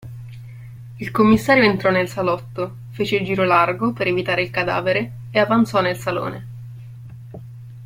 Il commissario entrò nel salotto, fece il giro largo, per evitare il cadavere, e avanzò nel salone.